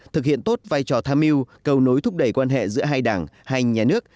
thực hiện tốt vai trò tham mưu cầu nối thúc đẩy quan hệ giữa hai đảng hai nhà nước